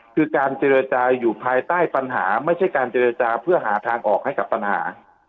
คือการเจรจาอยู่ภายใต้ปัญหาไม่ใช่การเจรจาเพื่อหาทางออกให้กับปัญหา